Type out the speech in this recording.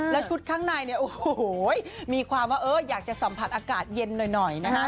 แล้วชุดข้างในเนี่ยโอ้โหมีความว่าอยากจะสัมผัสอากาศเย็นหน่อยนะฮะ